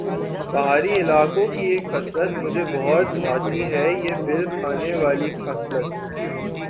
پہاڑی علاقوں کی یہ خصلت مجھے بہت بھاتی ہے یہ بل کھانے والی خصلت